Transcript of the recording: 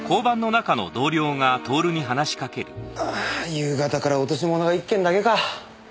夕方から落とし物が１件だけか。